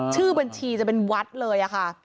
ชื่อบัญชีจะเป็นวัดเลยค่ะ